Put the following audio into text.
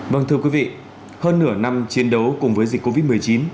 vâng thưa quý vị hơn nửa năm chiến đấu cùng với dịch covid một mươi chín